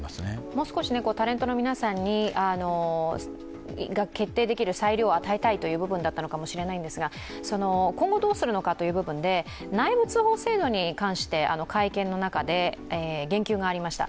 もう少しタレントの皆さんが決定できる裁量を与えたいという部分だったのかもしれませんが、今後どうするのかという部分で、内部通報制度に関して会見の中で言及がありました。